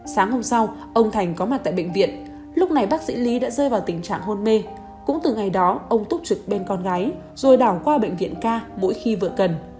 sáng hôm sau ông thành có mặt tại bệnh viện lúc này bác sĩ lý đã rơi vào tình trạng hôn mê cũng từ ngày đó ông túc trực bên con gái rồi đảo qua bệnh viện ca mỗi khi vừa cần